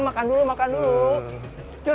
makan dulu makan dulu